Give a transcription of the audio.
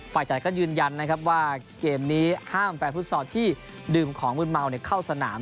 ฝ่ายจัดก็ยืนยันนะครับว่าเกมนี้ห้ามแฟนฟุตซอลที่ดื่มของมืนเมาเข้าสนาม